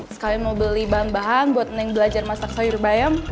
sekali mau beli bahan bahan buat mending belajar masak sayur bayam